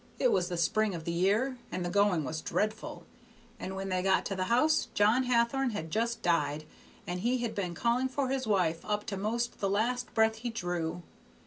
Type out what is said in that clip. It was the spring of the year, and the going was dreadful, and when they got to the house John Hathorn had just died, and he had been calling for his wife up to 'most the last breath he drew.